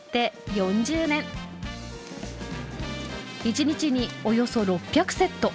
一日におよそ６００セット。